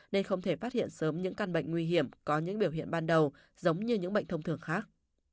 nên không thể phát hiện sớm những căn bệnh nguy hiểm có những biểu hiện ban đầu giống như những bệnh thông thường khác